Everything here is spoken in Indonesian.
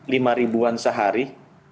lima ribuan sehari